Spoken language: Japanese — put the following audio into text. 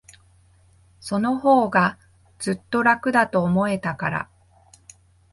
そのほうが、ずっと楽だと思えたから。